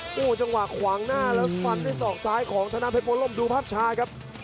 โอ้โหจังหวังขวางหน้าแล้วฟันไปซอกซ้ายของธนาคมเผ็ดโปรโลมดูภาพชายครับ